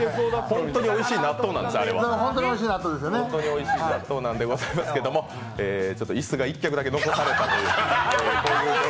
本当においしい納豆なんですけど椅子が１脚だけ残されたという。